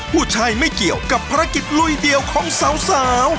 ผู้ชายไม่เกี่ยวกับภารกิจลุยเดียวของสาว